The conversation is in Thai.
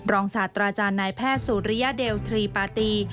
ศาสตราจารย์นายแพทย์สุริยเดลทรีปาตี